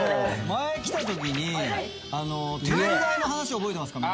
「前来たときにテレビ台の話覚えてますか？